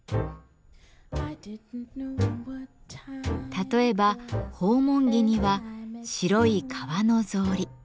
例えば訪問着には白い革の草履。